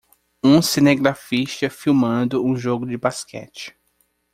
Um cinegrafista filmando um jogo de basquete.